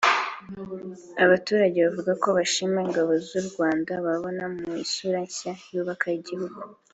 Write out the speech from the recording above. Abaturage bavuga ko bashima ingabo z’u Rwanda babona mu isura nshya yubaka igihugu